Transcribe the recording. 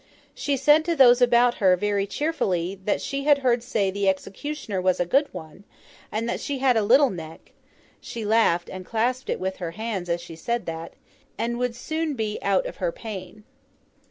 She said to those about her, very cheerfully, that she had heard say the executioner was a good one, and that she had a little neck (she laughed and clasped it with her hands as she said that), and would soon be out of her pain.